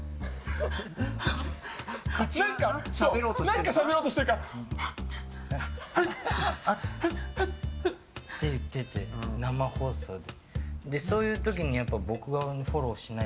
なんかしゃべろうとしてるからはっ、はって。って言ってて、生放送で。